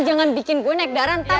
jangan bikin gue naik darantara